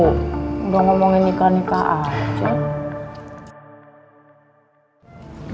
udah ngomongin nikah nikah aja